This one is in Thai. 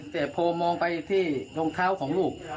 แต่พอมองไปที่รองเท้าของลูก